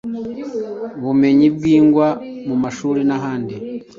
bumenyi bwigwa mu mashuri n’ahandi